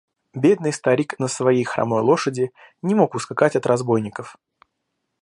Бедный старик на своей хромой лошади не мог ускакать от разбойников.